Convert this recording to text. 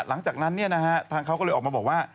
หลังจากนั้นทางเขาก็เลยออกมาบอกว่า